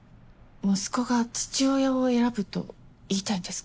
息子が父親を選ぶと言いたいんですか？